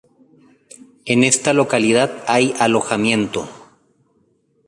En esta localidad hay alojamiento.